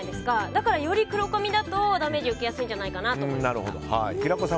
だから、より黒髪だとダメージを受けやすいんじゃないかなと。